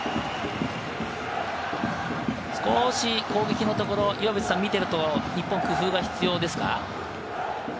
少し攻撃のところ見ていると、日本、工夫が必要ですか？